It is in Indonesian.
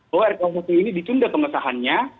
bahwa rkuhp ini ditunda pengesahannya